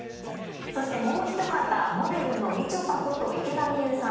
そしてもう一方モデルのみちょぱこと池田美優さんです。